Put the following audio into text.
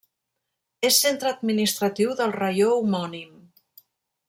És centre administratiu del raió homònim.